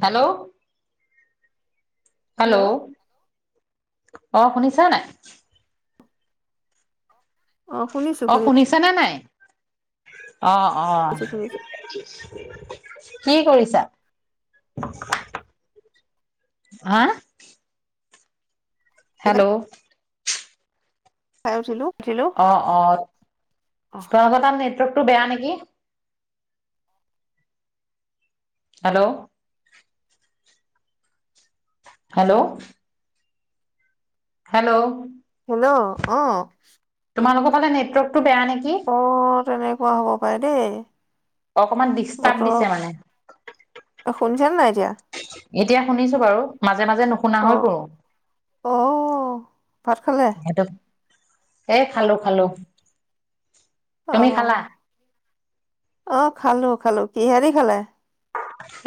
Hello hello hello অ শুনিছা নাই? অ শুনিছো অ' শুনিছো শুনিছেনে নাই? অ' অ শুনিছো কি কৰিছা হা? কেইটা হ্যালো খাই উঠিলো উঠিলো অ' অ অ [unintelligible] [unintelligible] বেয়া নেকি? হেল্লো হ্যালো হেল্লো হেল্' অ' তোমালোকৰ ফালে নেটৱৰ্কক টো বেয়া নেকি অ তেনেকুৱা হ'ব পাৰে দেই অকমান ডিষ্টাৰ্ব দিছে মানে বতৰ শুনিছানে নাই এতিয়া? এতিয়া শুনিছো বাৰু মাজ অ', অ', ভাত খালে? এ খালো, খালো তুমি খালা অ'। অ', খালো, খালো কিহেদি খালে?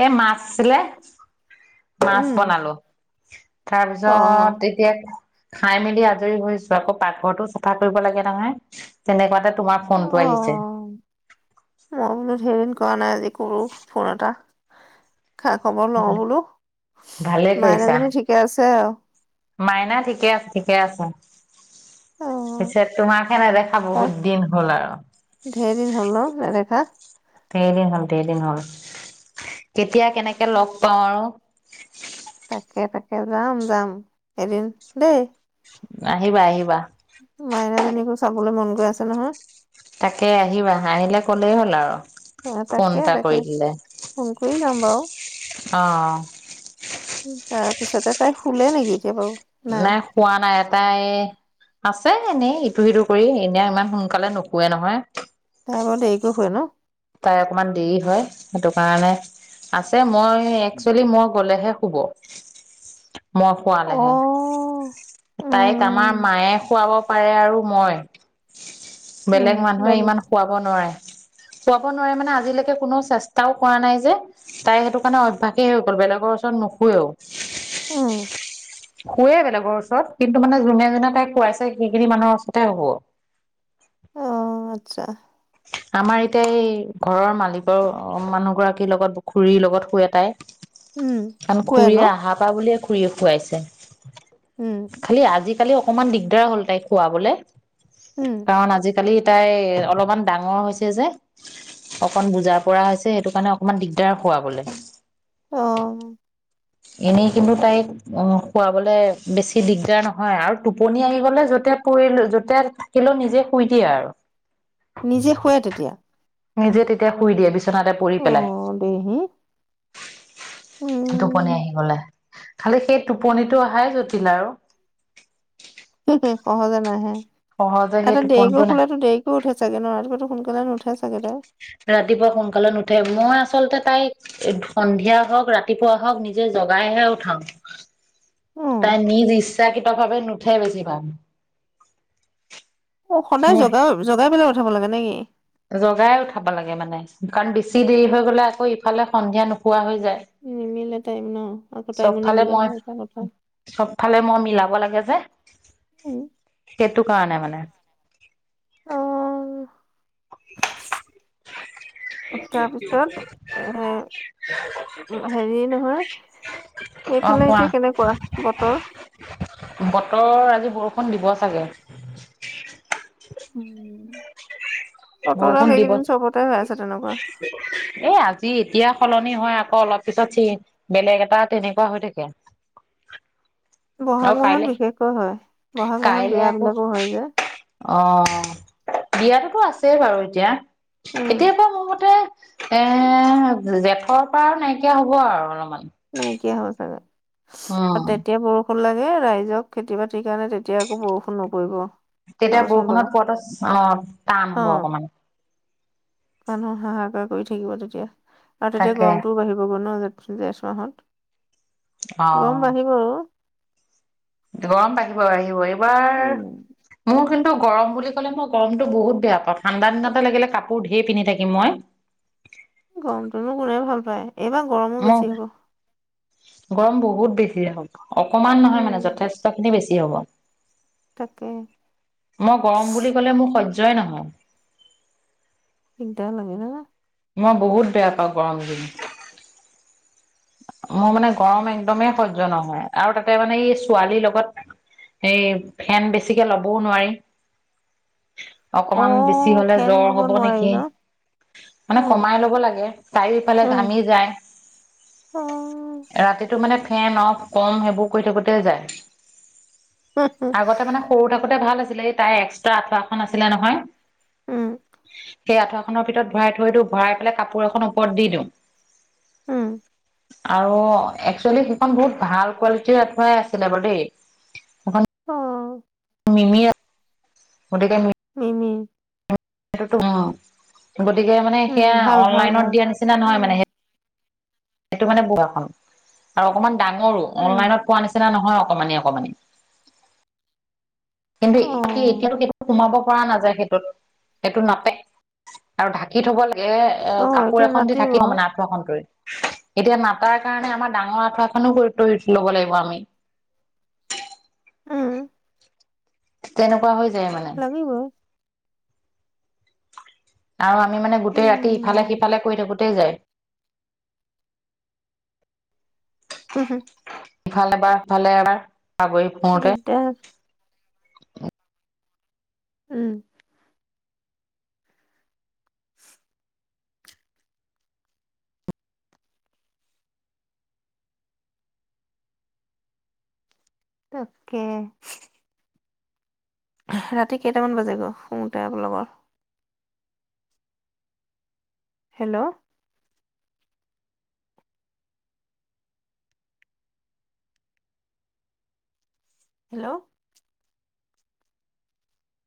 এ মাছ আছিলে মাছ উম বনালো। অ তাৰপিছত এতিয়া খাই মেলি আজৰি হৈছো, আকৌ পাকঘৰটো চফা কৰিব লাগে নহয় তেনেকুৱাতে তোমাৰ অ ফোনটো আহিছে ৱা নাই আজি কৰো ফোন এটা খা খবৰ লওঁ বোলো ভালে কৰিছা। মাইনাজনী ঠিকে আছে আৰু মাইনা ঠিকে আছে ঠিকে আছে অ পিছেত তোমাৰ? সেনেদেখা তাক বহুত দিন হ'ল ধেৰ দিন হ'ল ন আৰু। নেদেখা দেৰদিন হল দেৰদিন হল কেতিয়া কেনেকে লগ পাওঁ আৰু। তাকে, তাকে যাম, যাম এদিন দেই। আহিবা আহিবা। মাইনাজনীকো চাবলৈ মন গৈ আছে নহয়। তাকে আহিবা আহিলে কলেই হ'ল আৰু। অ', ফোন তাকে এটা তাকে কৰি দিলে ফোন কৰি যাম বাৰু। অ'। তাৰ পিছতে তাই শুলে নেকি এতিয়া বাৰু? নাই খোৱা নাই এটাই এই আছে এনেই ইটো সিটো কৰি এনেই ইমান সোনকালে নুশুৱে নহয়। তাৰ বৰ দেৰিলৈ শুৱে ন'? তাই অকমান দেৰি হয় সেইটো কাৰণে আছে মই একচুৱেলি মই গ'লেহে শুব। মই অ খোৱালেহে, তাইক উম আমাৰ মায়ে শুৱাব। পাৰে আৰু মই উম বেলেগ মানুহে বাবি ইমান শুৱাব নোৱাৰে। খোৱাব নোৱাৰে মানে আজিলৈকে কোনো চেষ্টাও কৰা নাই যে তাই সেইটো কাৰণে অভ্যাসেই হৈ গ'ল বেলেগৰ ওচৰত নুশুৱেও। উম শুৱে বেলেগৰ ওচৰত কিন্তু মানে যোনে নে তাইক কোৱাইছে সেইখিনি মানুহৰ ওচৰতে হ'ব। অ', আচ্চা। আমাৰ এতিয়া এই ঘৰৰ মালিকৰ মানুহ গৰাকীৰ লগত খুৰীৰ লগত শুৱে তাই। উম কাৰণ শুৱে ন খুৰীয়ে আহাৰ পা বুলিয়ে খুৰিয়ে শুৱাইছে। উম খালি আজি কালি অকণমান দিগদাৰ হ'ল তাই খুৱাবলে। উম কাৰণ আজি কালি তাই অলমান ডাঙৰ হৈছে যে অকণ বুজা পৰা হৈছে সেইটো কাৰণে অকমান দিগদাৰ শুৱাবলে। অ'। এনেই কিন্তু তাইক শুৱাবলে বেছি দিগদাৰ নহয় আৰু টোপনি আহি গলে য'তে পৰিল য'তে থাকিলেও নিজে শুই দিয়ে আৰু। নিজে শুৱে তেতিয়া। নিজে তেতিয়া শুই দিয়ে পিচ নাতে পৰি অ পেলাই দেহি টোপনি উম আহি গ'লে। খালি সেই টোপনিটো অহাই জটিল আৰু। এ সহজে নাহে সহজে সেই এটা দেৰিকৈ টোপনিটো নাহে শুলেটো দেৰিকও উঠে চাগে ন [unintelligible] সোন [unintelligible] নুঠে চাগে তাই ৰাতিপুৱা সোনকালে নুঠে মই আচ আচলতে তাইক এ সন্ধিয়া হওক, ৰাতিপুৱা হওক নিজে জগাইহে উঠাও। উম, তাই নিজ ইচ্ছাকৃতভাৱে নুঠে বেছিভাগ। অ' সদায় মোক জগাও জগাই পেলাই উ উঠাব লাগে নেকি জগাই উঠাব লাগে মানে কাৰণ বেছি দেৰি হৈ গ'লে আকৌ ইফালে সন্ধিয়া নুশুৱা হৈ। যায় নিমিলে টাইম ন আকৌ টাইমো চবফালে নিমিলে মই এটা কথা। উম চবফালে মই মিলাব লা এই যে, সেইটো কাৰণে মানে, অহহ্ তাৰপিছত এ হেৰি নহয়, অ সেইফালে কোৱা এতিয়া কেনেকুৱা বতৰ। বতৰ আজি বৰষুণ দিব চাগে। উম। বৰষুণ বতৰডাল দিব এইকেইদিন চবতে হৈ আছে তেনেকুৱা। এয়া সলনি হয়, আকৌ অলপ পিছত চি বেলেগ এটা, তেনেকুৱা হৈ থাকে। ব'হাগ আৰু মাহত কাইলে বিশেষকৈ হয়। ব'হাগ মাহত কাইলে বিয়া আকৌ বিলাকো হয়, যে। অ', বিয়াতোটো আছেই বাৰু এতিয়া উম, এতিয়াৰ পৰা মোৰ মতে এ জেঠৰ পৰা আৰু নাইকিয়া হ'ব আৰু অলপমান। আ উম তেতিয়া বৰষু ষূন লাগে ৰাইজক খেতি বাতিৰ কাৰণে, তেতিয়া আকৌ বৰষুণ নপৰিব। তেতিয়া চাবচোন বাৰু বৰষুণত পোৱাতো চ অ', টান হ'ব অ', অকমান। মানুহ হাহাকাৰ কৰি থাকিব তেতিয়া। আৰু তেতিয়া তাকে গৰমতটোও বাঢ়িব গৈ ন? জ জেঠ অ মাহত গৰম বাঢ়িব আৰু গৰম বাঢ়িব, বাঢ়িবই এইবাৰ উম মোৰ কিন গৰম বুলি ক'লে মই গৰমতটো বহুত বেয়া পাওঁ, ঠাণ্ডা দিনতে লাগিলে কাপোৰ ধেৰ পিন্ধি থাকিম মই। গৰমটোনো [unintelligible] এইবাৰ গৰমো মোক বেছি হ'ব। গৰম বহুত বেছি হ'ব। অকমান নহয় মানে উম যথেষ্টখিনি বেছি হ'ব। তাকে মই গৰম বুলি ক'লে মোৰ সজ য'ই নহয়। দিগদাৰ লাগে ন? মই বহুত বেয়া পাওঁ গৰমদিন। মোৰ মানে গৰম একদমেই সহ্য নহয় আৰু তাতে মানে এই ছোৱালীৰ লগত হেই ফেন বেছিকে ল'বও নোৱাৰি। অ অকমান বেছি হলে ফেন জ্বৰ দিব হ'ব নোৱাৰি নেকি, ন মানে উম কমাই ল'ব লাগে। তাই ইফালে উম ঘামি যায়। অ ৰাতি টো মানে ফেন অফ, কম সেইবোৰ কৰি থাকোতেই যায়। উম আগতে মানে সৰু থাকোতে ভাল আছি। আছিল, তাইৰ এক্সট্ৰা আঠুৱা খন আছিলে নহয়। উম সেই আঠুৱাখনৰ ভিতৰত ভৰাই থৈ দিওঁ, ভৰাই পেলাই কাপোৰ এখন ওপৰত দি দিওঁ। উম। আৰু একচুৱেলি সেইখন বহুত ভাল কোৱালিটিৰ আঠুৱাই আছিলে বাৰু দেই। অ মিমিয়ে [inaudible] গতিকে হু উ [unintelligible] গতিকে মানে উম সেয়া ভাল ভাল অনলাইনত ভাল দিয়া নিচিনা নহয় উম মানে সেইটো মানে মু [unintelligible] আৰু অকমান ডাঙৰো উম অনলাইনত পোৱা নিচিনা নহ অ অকমানি অকমানি কিন্তু অ এতি এতিয়াটো সেইটো সোমাব পোৱা নাযায় সেইটোত সেইটো নাপে আৰু ঢাকি থব লাগ তে অ কাপোৰ এতিয়া এখন দি নাতিব ঢাকি থওঁ মানে আঁঠুৱাখন তৰি এতিয়া নাটাৰ কাৰণে আমাৰ ডাঙৰ আঠুৱাখনো কৰি [unintelligible] ল'ব লাগিব আমি। উম তেনেকুৱা হৈ যায় মানে লাগিব। অ আমি মানে গোটেই ৰাতি ইফালে উম সিফালে কৰি থাকোঁ তেই যায়। উ হ ইফালে এবাৰ সিফালে এবাৰ দিগদাৰ [unintelligible] উম। [inaudible] তাকে ৰাতি কেইটামান বাজে গৈ শুওঁতে আপোনালোকৰ? Hello hello